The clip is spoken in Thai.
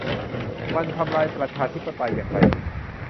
มันทำลายประชาธิปไตยอย่างไร